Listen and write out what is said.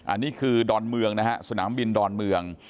อันนี้คือดอนเมืองนะฮะสนามบินดอนเมือง